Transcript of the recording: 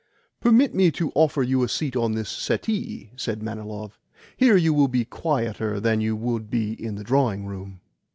"Permit me to offer you a seat on this settee," said Manilov. "Here you will be quieter than you would be in the drawing room."